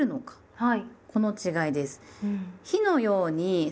はい。